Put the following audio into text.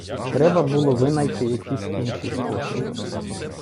Треба було винайти якісь інші способи.